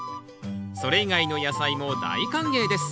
それ以外の野菜も大歓迎です。